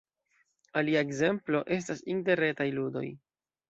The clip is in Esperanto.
Alia ekzemplo estas interretaj ludoj.